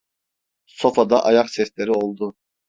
Sofada ayak sesleri oldu.